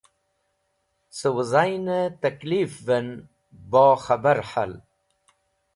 Cẽ wẽzaynẽ tẽklifẽvẽn bo khẽbar hal.